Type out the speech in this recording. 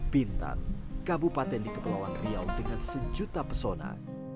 bintan kabupaten di kepulauan riau dengan sejuta pesona